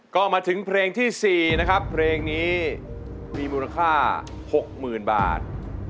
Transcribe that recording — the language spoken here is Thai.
ก็มาถึงเพลงที่๔นะครับเพลงนี้มีมูลค่า๖๐๐๐บาท